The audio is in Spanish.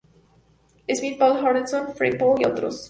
Smith, Paul Anderson, Fred Pohl y otros.